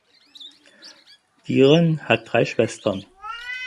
Dieren hat drei Schwestern.